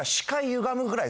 歪むぐらい？